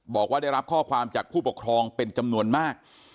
บอกว่าได้รับข้อความจากผู้ปกครองเป็นจำนวนมาก